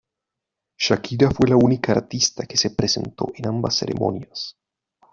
Shakira fue la única artista que se presentó en ambas ceremonias.